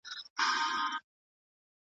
زه مي د عُمر د خزان له څانګي ورژېدم .